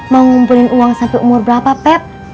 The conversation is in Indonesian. mau ngumpulin uang sampai umur berapa pet